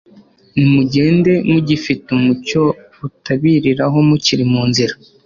Nimugende mugifite umucyo butabiriraho mukiri mu nzira,